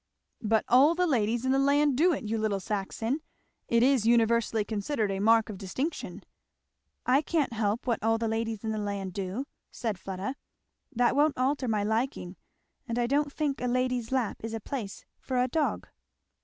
"But all the ladies in the land do it, you little Saxon! it is universally considered a mark of distinction." "I can't help what all the ladies in the land do," said Fleda. "That won't alter my liking, and I don't think a lady's lap is a place for a dog."